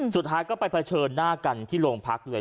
สุดท้ายก็ไปเผชิญหน้ากันที่โรงพักเลย